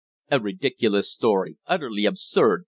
"A ridiculous story utterly absurd!"